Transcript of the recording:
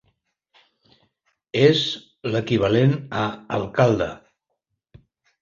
És l'equivalent a alcalde.